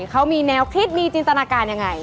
เขามีแนวคิดมีจินตนาการยังไง